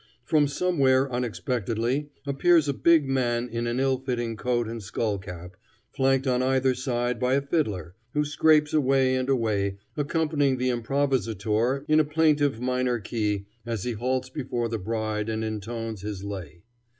From somewhere unexpectedly appears a big man in an ill fitting coat and skull cap, flanked on either side by a fiddler, who scrapes away and away, accompanying the improvisator in a plaintive minor key as he halts before the bride and intones his lay.